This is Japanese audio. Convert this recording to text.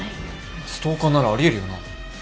ストーカーならありえるよな。